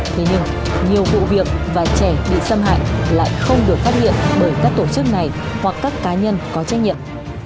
thế nhưng nhiều vụ việc và trẻ bị xâm hại lại không được phát hiện bởi các tổ chức này hoặc các cá nhân có trách nhiệm